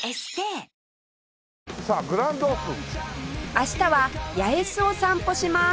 明日は八重洲を散歩します